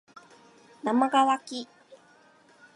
なまがわき